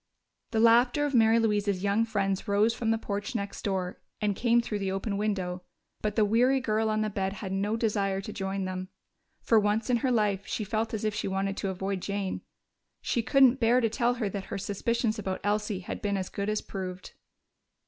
The laughter of Mary Louise's young friends rose from the porch next door and came through the open window, but the weary girl on the bed had no desire to join them. For once in her life she felt as if she wanted to avoid Jane. She couldn't bear to tell her that her suspicions about Elsie had been as good as proved.